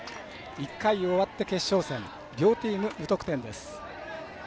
１回、終わって、決勝戦両チーム、無得点です。